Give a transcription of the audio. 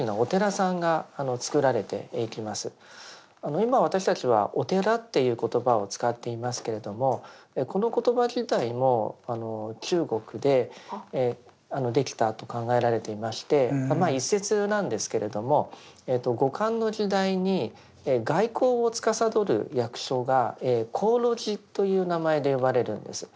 今私たちは「お寺」っていう言葉を使っていますけれどもこの言葉自体も中国でできたと考えられていまして一説なんですけれども後漢の時代に外交をつかさどる役所が鴻臚寺という名前で呼ばれるんです。